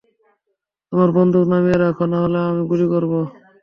তোমার বন্দুক নামিয়ে রাখো নাহলে আমি গুলি করব।